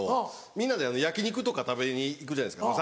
みんなで焼き肉とか食べに行くじゃないですか。